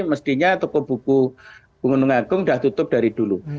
mestinya toko buku gunung agung sudah tutup dari dulu